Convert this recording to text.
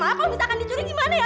kalau misalkan dicuri gimana ya bu